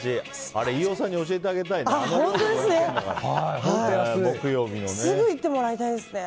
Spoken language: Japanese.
あれ飯尾さんに教えてあげたいね。